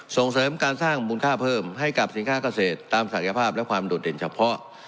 ส่งเสริมการสร้างมูลค่าเพิ่มให้กับสินค้าเกษตรตามศักยภาพและความโดดเด่นเฉพาะ